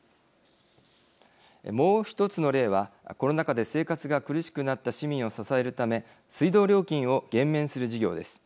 もう一つの例はコロナ禍で生活が苦しくなった市民を支えるため水道料金を減免する事業です。